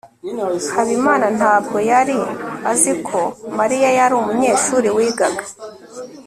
habimana ntabwo yari azi ko mariya yari umunyeshuri wigaga